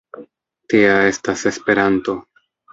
Tia estas Esperanto.